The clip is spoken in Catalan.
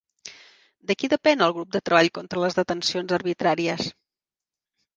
De qui depèn el grup de Treball contra les Detencions Arbitràries?